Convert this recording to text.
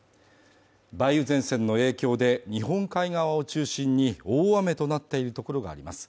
梅雨前線の影響で日本海側を中心に大雨となっているところがあります。